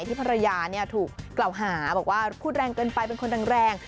ภรรยาถูกกล่าวหาบอกว่าพูดแรงเกินไปเป็นคนแรง